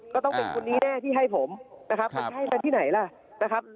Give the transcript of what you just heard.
ก็ต้องเป็นคนนี้แน่ที่ให้ผมนะครับมันจะให้กันที่ไหนล่ะนะครับ